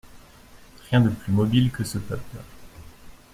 Rien de plus mobile que ce peuple.